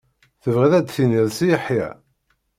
Tebɣiḍ a d-tiniḍ Si Yeḥya?